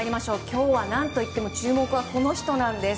今日は何といっても注目は、この人なんです。